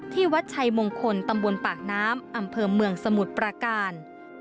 วัดชัยมงคลตำบลปากน้ำอำเภอเมืองสมุทรประการ